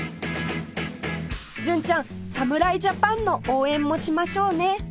純ちゃん侍ジャパンの応援もしましょうね